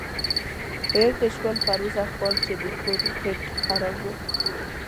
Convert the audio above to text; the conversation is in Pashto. هېر دې شول پروسږ کال چې د کور هیټ خراب و.